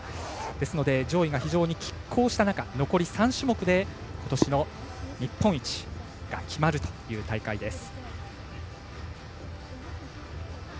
ですので、上位が非常にきっ抗した中残り３種目でことしの日本一が決まるという大会です。